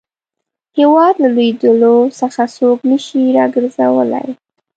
هیواد له لوېدلو څخه څوک نه شي را ګرځولای.